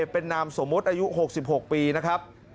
เป็นนามสมมุติอายุ๖๖ปีนะครับ